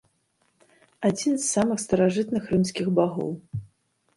Адзін з самых старажытных рымскіх багоў.